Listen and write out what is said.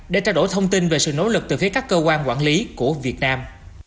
để trao đổi thông tin về sự nỗ lực từ phía các cơ quan quản lý của việt nam